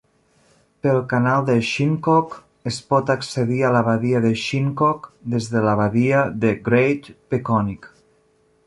Pel canal de Shinnecock es pot accedir a la badia de Shinnecock des de la badia de Great Peconic.